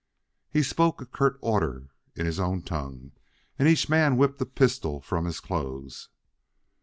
He spoke a curt order in his own tongue, and each man whipped a pistol from his clothes.